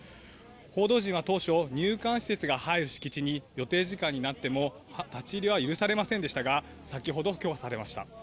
報道陣は当初、入管施設が入る敷地に予定時間になっても立ち入りは許されませんでしたが、先ほど許可されました。